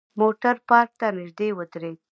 موټر پارک ته نژدې ودرید.